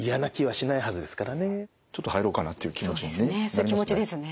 そういう気持ちですね。